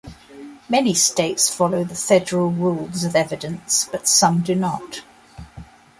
Many states follow the Federal Rules of Evidence, but some do not.